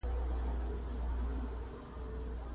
په ټولنه کې د شته سرچینو له استثمار څخه برخمن شي